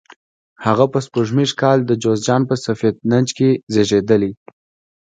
هغه په سپوږمیز کال د جوزجان په سفید نج کې زیږېدلی.